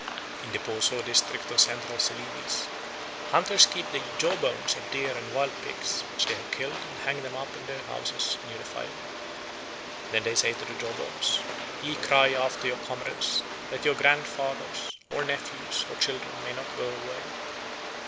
In the Poso district of Central Celebes hunters keep the jawbones of deer and wild pigs which they have killed and hang them up in their houses near the fire. Then they say to the jawbones, "Ye cry after your comrades, that your grandfathers, or nephews, or children may not go away."